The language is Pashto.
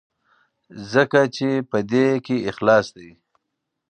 ځکه چې په دې کې اخلاص دی.